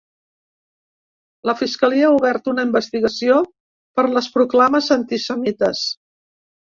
La fiscalia ha obert una investigació per les proclames antisemites.